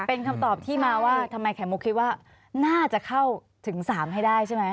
เป็นคำตอบที่มาว่าทำไมไข่มุกคิดว่าน่าจะเข้าถึง๓ให้ได้ใช่ไหม